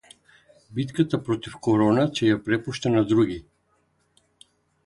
Битката против корона ќе ја препушта на други